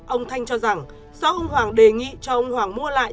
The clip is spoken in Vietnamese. ông thanh cho rằng xã ông hoàng đề nghị cho ông hoàng mua lại